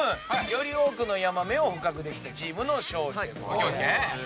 より多くのヤマメを捕獲できたチームの勝利でございます。